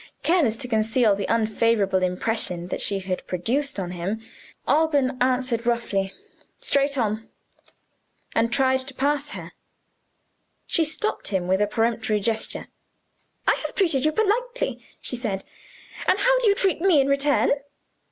Careless to conceal the unfavorable impression that she had produced on him, Alban answered roughly, "Straight on," and tried to pass her. She stopped him with a peremptory gesture. "I have treated you politely," she said, "and how do you treat me in return?